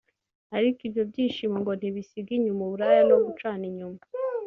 Ariko ibyo byishimo ngo ntibisiga inyuma uburaya no gucana inyuma